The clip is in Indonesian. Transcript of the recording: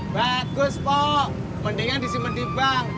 bagus pok mendingan disimpen di bank